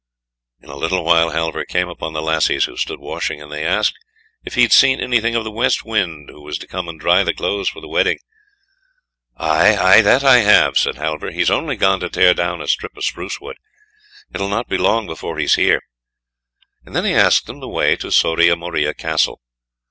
In a little while Halvor came upon the lassies who stood washing, and they asked if he had seen anything of the West Wind who was to come and dry the clothes for the wedding. "Aye, aye, that I have," said Halvor, "he's only gone to tear down a strip of spruce wood. It'll not be long before he's here," and then he asked them the way to Soria Moria Castle.